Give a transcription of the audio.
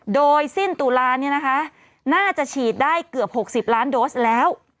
โดยสิ้นตุลาเนี่ยนะคะน่าจะฉีดได้เกือบ๖๐ล้านโดสแล้ว